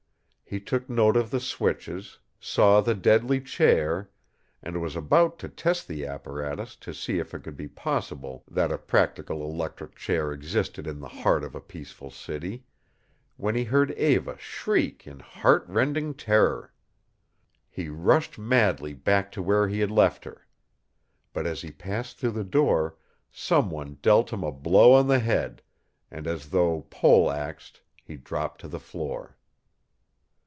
He took note of the switches, saw the deadly chair, and was about to test the apparatus to see if it could be possible that a practical electric chair existed in the heart of a peaceful city, when he heard Eva shriek in heart rending terror. He rushed madly back to where he had left her. But as he passed through the door some one dealt him a blow on the head, and as though pole axed he dropped to the floor.